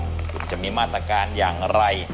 คุณจะมีมาตรการอย่างไร